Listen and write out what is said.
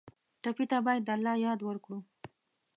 ټپي ته باید د الله یاد ورکړو.